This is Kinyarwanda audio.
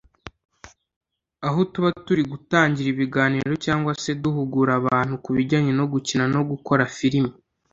aho tuba turi gutangira ibiganiro cyangwa se duhugura abantu ku bijyanye no gukina no gukora filimi